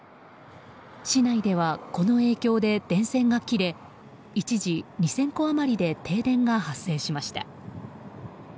市内ではこの影響で電線が切れ一時、２０００戸余りで停電が発生しました。